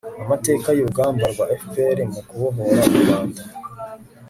amateka y'urugamba rwa rpf mu kubohora u rwanda